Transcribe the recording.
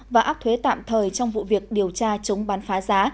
và áp thuế tạm thời trong vụ việc điều tra chống bán phá giá